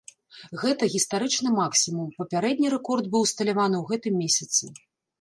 Гэта гістарычны максімум, папярэдні рэкорд быў усталяваны ў гэтым месяцы.